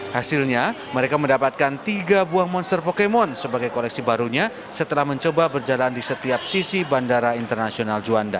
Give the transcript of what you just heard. hasilnya mereka mendapatkan tiga buah monster pokemon sebagai koleksi barunya setelah mencoba berjalan di setiap sisi bandara internasional juanda